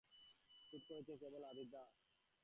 শোধ করেছেন কেবল আদিতদা, আর কেউ না।